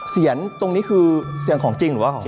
เสียงตรงนี้คือเสียงของจริงหรือว่าของเสียง